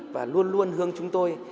và luôn luôn hương chúng tôi